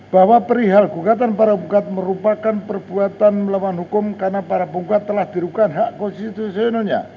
bahwa perihal gugatan para gugat merupakan perbuatan melawan hukum karena para punggat telah dirugikan hak konstitusionalnya